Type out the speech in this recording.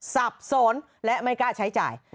สับสนและไม่กล้าใช้จ่าย